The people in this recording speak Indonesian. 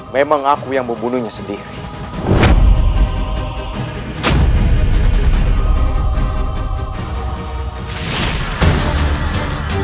memang aku yang membunuhnya sendiri